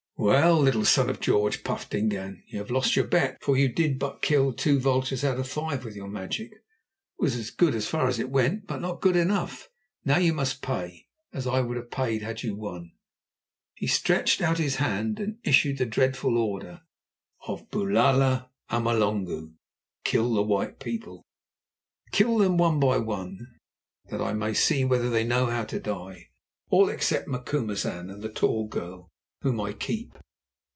"Well, little Son of George," puffed Dingaan, "you have lost your bet, for you did but kill two vultures out of five with your magic, which was good as far as it went, but not good enough. Now you must pay, as I would have paid had you won." Then he stretched out his hand, and issued the dreadful order of "Bulala amalongu!" (Kill the white people). "Kill them one by one, that I may see whether they know how to die, all except Macumazahn and the tall girl, whom I keep."